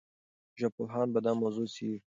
ژبپوهان به دا موضوع څېړي.